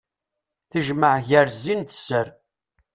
Tejmeɛ gar zzin d sser.